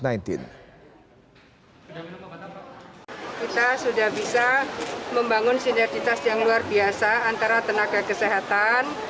kita sudah bisa membangun sinergitas yang luar biasa antara tenaga kesehatan